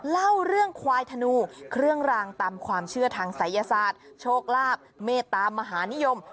เล่าเรื่องควายธนูเครื่องรางตามความเชื่อทางศัยศาสตร์โชคลาภเมตตามหานิยม